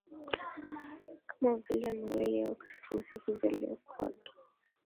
kama vile Noeli au Krismasi kuzaliwa kwake